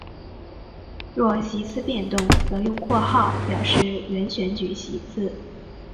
若席次变动则用括号表示原选举席次。